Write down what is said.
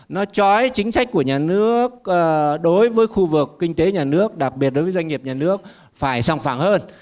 nó trói chính sách của nhà nước đối với khu vực kinh tế nhà nước đặc biệt đối với doanh nghiệp nhà nước phải song phẳng hơn